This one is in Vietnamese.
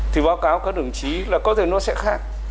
thì báo cáo các đồng chí là có thể nó sẽ khác